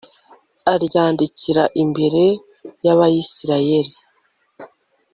aryandikira imbere y'abayisraheli